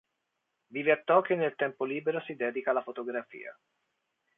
Vive a Tokyo e nel tempo libero si dedica alla fotografia.